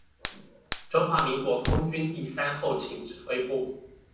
中華民國空軍第三後勤指揮部